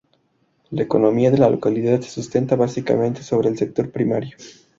La economía de la localidad se sustenta básicamente sobre el sector primario.